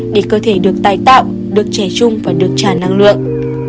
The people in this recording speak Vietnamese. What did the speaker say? để cơ thể được tài tạo được trẻ trung và được tràn năng lượng